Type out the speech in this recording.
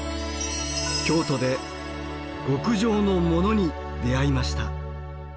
京都で極上のモノに出会いました。